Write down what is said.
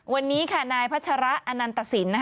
วันนี้ค่ะนายพัชระอนันตสิน